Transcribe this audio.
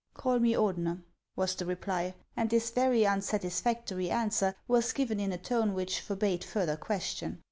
" Call rue Ordener," was the reply ; and this very unsatisfactory answer was given in a tone which forbade further question.